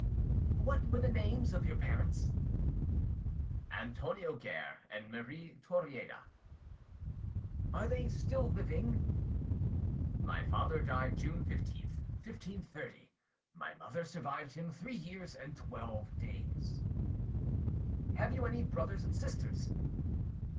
"What were the names of your parents?" "Antonio Guerre and Marie Toreada." "Are they still living?" "My father died June 15th, 1530; my mother survived him three years and twelve days." "Have you any brothers and sisters?"